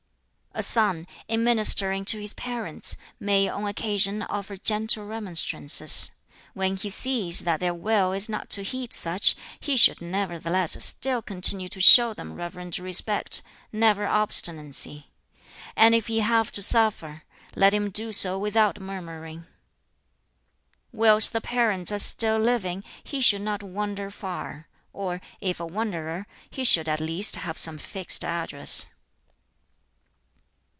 "A son, in ministering to his parents, may (on occasion) offer gentle remonstrances; when he sees that their will is not to heed such, he should nevertheless still continue to show them reverent respect, never obstinacy; and if he have to suffer, let him do so without murmuring. "Whilst the parents are still living, he should not wander far; or, if a wanderer, he should at least have some fixed address.